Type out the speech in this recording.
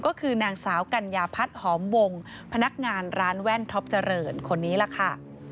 ก็คือนางสาวกัญญาพัฒน์หอมวงพนักงานร้านแว่นท็อปเจริญคนนี้ล่ะค่ะ